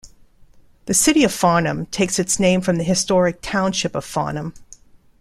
The city of Farnham takes its name from the historic Township of Farnham.